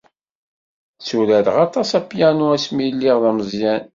Tturareɣ aṭas apyanu asmi lliɣ d ameẓẓyan.